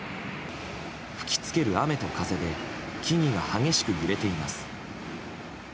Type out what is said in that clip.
吹き付ける雨と風で木々が激しく揺れています。